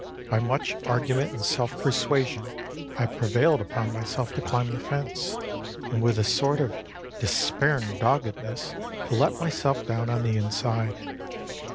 By much argument and self persuasion I prevailed upon myself to climb the fence, and with a sort of despairing doggedness to let myself down on the inside.